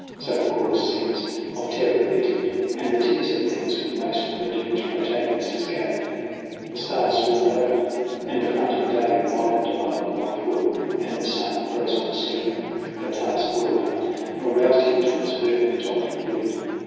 So the Chorus sings Of terror, pity and the tears of things When most the doomed protagonist is gay. The stars swarmed over, and the front of day Whitened above a white world, and the sun Rose on a sleeper with a task well done, Nor roused him till its burning topped the blue.